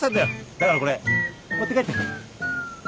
だからこれ持って帰って。